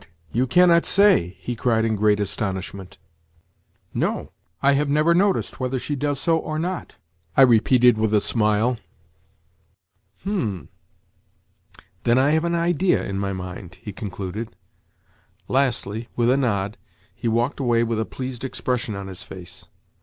You cannot say?" he cried in great astonishment. "No; I have never noticed whether she does so or not," I repeated with a smile. "Hm! Then I have an idea in my mind," he concluded. Lastly, with a nod, he walked away with a pleased expression on his face.